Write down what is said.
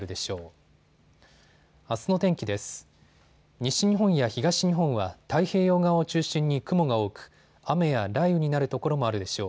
西日本や東日本は太平洋側を中心に雲が多く雨や雷雨になる所もあるでしょう。